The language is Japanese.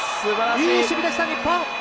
いい守備でした日本！